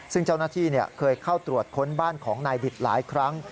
ซึ่งเจ้าหน้าที่เคยเข้าตรวจค้นบ้านของนายดิตหลายครั้ง